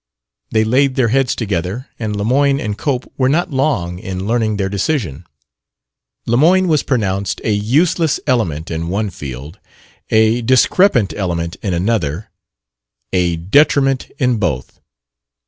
They laid their heads together and Lemoyne and Cope were not long in learning their decision. Lemoyne was pronounced a useless element in one field, a discrepant element in another, a detriment in both.